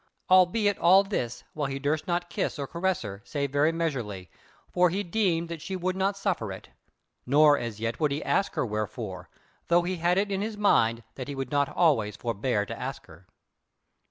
Albeit all this while he durst not kiss or caress her, save very measurely, for he deemed that she would not suffer it; nor as yet would he ask her wherefore, though he had it in his mind that he would not always forbear to ask her.